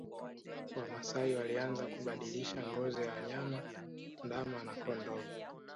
Wamasai walianza kubadilisha ngozi ya wanyama ndama na kondoo